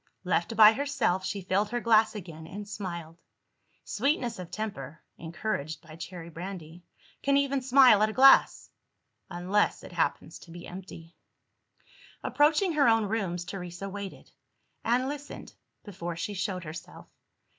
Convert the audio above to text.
Left by herself, she filled her glass again, and smiled. Sweetness of temper (encouraged by cherry brandy) can even smile at a glass unless it happens to be empty. Approaching her own rooms, Teresa waited, and listened, before she showed herself.